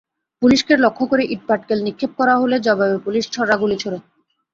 পুলিশকে লক্ষ্য করে ইটপাটকেল নিক্ষেপ করা হলে জবাবে পুলিশ ছররা গুলি ছোড়ে।